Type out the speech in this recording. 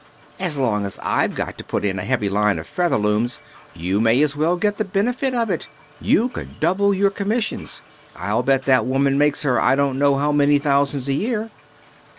As long as I've got to put in a heavy line of Featherlooms you may as well get the benefit of it. You could double your commissions. I'll bet that woman makes her I don't know how many thousands a year."